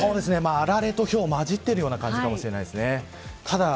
あられとひょうがまじっている感じかもしれませんね。